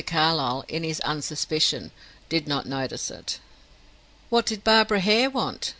Carlyle, in his unsuspicion, did not notice it. "What did Barbara Hare want?"